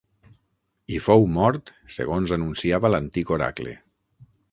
I fou mort segons anunciava l'antic oracle.